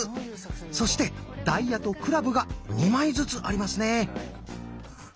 そして「ダイヤ」と「クラブ」が２枚ずつありますね。